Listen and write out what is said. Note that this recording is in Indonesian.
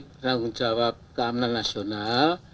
menanggung jawab keamanan nasional